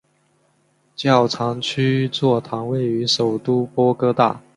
教长区座堂位于首都波哥大。